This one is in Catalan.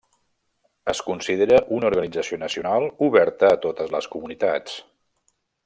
Es considera una organització nacional oberta a totes les comunitats.